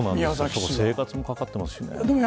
生活にもかかっていますね。